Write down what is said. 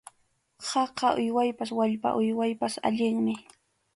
Khaka uywaypas wallpa uywaypas allinmi.